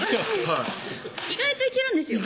はい意外といけるんですよ